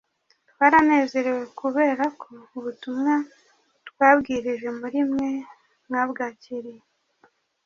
twaranezerewe kubera ko ubutumwa twabwirije muri mwe mwabwakiriye